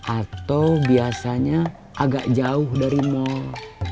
atau biasanya agak jauh dari mall